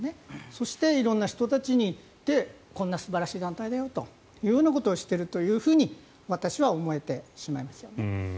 そして、色んな人たちに言ってこんな素晴らしい団体だよっていうことをしているというふうに私は思えてしまいますよね。